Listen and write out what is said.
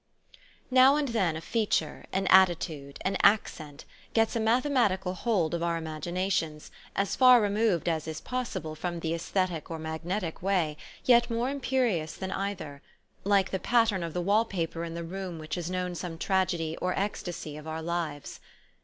"VTOW and then a feature, an attitude, an accent, LA gets a mathematical hold of our imaginations, as far removed as is possible from the aesthetic or magnetic way, yet more imperious than either ; like the pattern of the wall paper in the room which has known some tragedy or ecstasy of our lives.